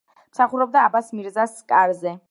მსახურობდა აბას-მირზას კარზე.